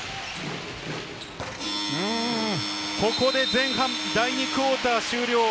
ここで前半、第２クオーター終了！